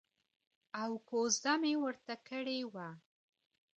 او کوزده مې ورته کړې وه.